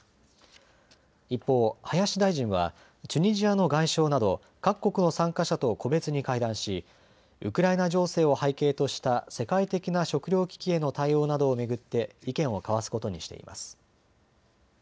一方、林大臣はチュニジアの外相など各国の参加者と個別に会談しウクライナ情勢を背景とした世界的な食料危機への対応などを巡って意見を交わすことにしています。